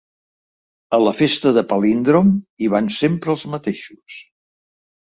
A la festa de Palíndrom hi van sempre els mateixos.